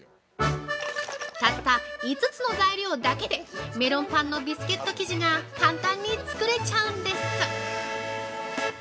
たった５つの材料だけで、メロンパンのビスケット生地が簡単に作れちゃうんです。